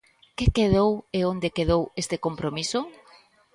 ¿Que quedou e onde quedou este compromiso?